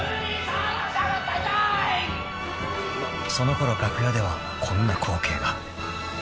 ［そのころ楽屋ではこんな光景が］